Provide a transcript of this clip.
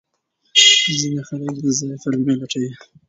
ځینې خلک بې ځایه پلمې لټوي.